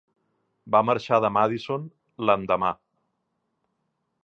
Va marxar de Madison l'endemà.